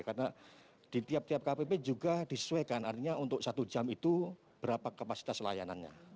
karena di tiap tiap kpp juga disesuaikan artinya untuk satu jam itu berapa kapasitas layanannya